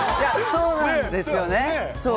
そうなんですよね、そう。